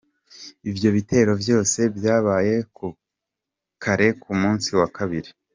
Ivyo bitero vyose vyabaye kare ku musi wa kabiri.